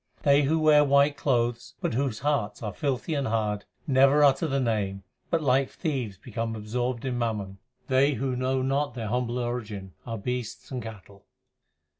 They who wear white clothes, but whose hearts are filthy and hard, Never utter the Name, but like thieves become absorbed in mammon. They who know not their own humble origin are beasts and cattle.